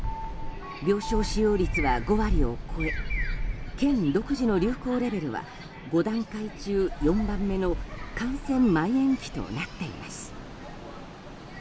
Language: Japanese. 病床使用率は５割を超え県独自の流行レベルは５段階中４番目の感染まん延期となっています。